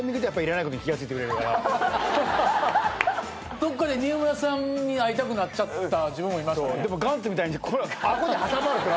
どっかで新村さんに会いたくなっちゃった自分もいましたね。